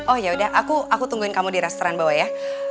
oh yaudah aku tungguin kamu di restoran bawah ya